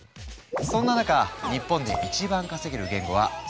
そんな中日本で一番稼げる言語は「Ｓｗｉｆｔ」。